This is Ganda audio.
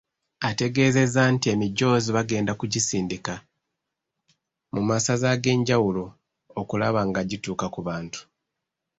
Ategeezezza nti emijoozi bagenda kugisindika mu Masaza ag'enjawulo okulaba nga gituuka ku bantu.